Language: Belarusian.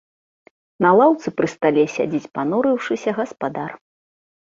На лаўцы пры стале сядзіць, панурыўшыся, гаспадар.